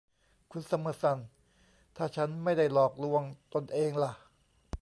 คุณซัมเมอร์ซัน ถ้าฉันไม่ได้หลอกลวงตนเองล่ะ